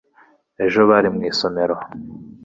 ejo bari mu isomero